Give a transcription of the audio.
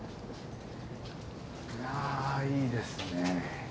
いやいいですね。